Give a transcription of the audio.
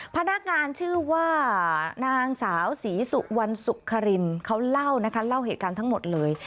พนักงานชื่อว่านางสาวศรีสุวรรณสุขรินเขาเล่านะคะเล่าเหตุการณ์ทั้งหมดเลย